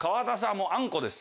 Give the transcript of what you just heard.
もうあんこです。